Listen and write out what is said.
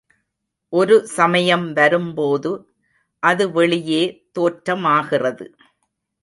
ஒரு சமயம் வரும்போது, அது வெளியே தோற்றமாகிறது.